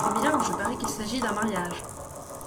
Eh bien, je parie qu’il s’agit d’un mariage.